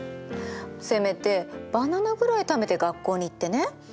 せめてバナナぐらい食べて学校に行ってね。